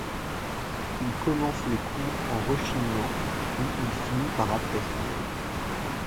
Il commence les cours en rechignant puis, il finit par apprécier.